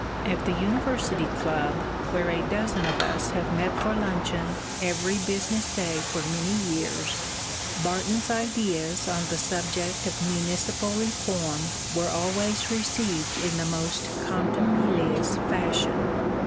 At the University Club, where a dozen of us have met for luncheon every business day for many years, Barton's ideas on the subject of municipal reform were always received in the most contumelious fashion.